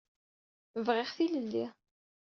Bɣiɣ tilelli.